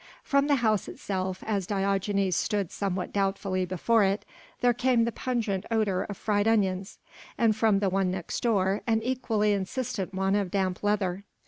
From the house itself as Diogenes stood somewhat doubtfully before it there came the pungent odour of fried onions, and from the one next door an equally insistent one of damp leather.